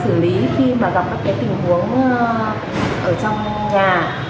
sử lý khi mà gặp các cái tình huống ở trong nhà